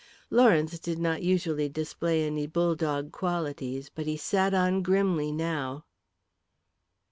Lawrence did not usually display any bulldog qualities, but he sat on grimly now.